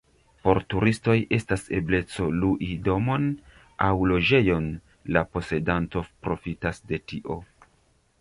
Por turistoj estas ebleco lui domon aŭ loĝejon, la posedanto profitas de tio.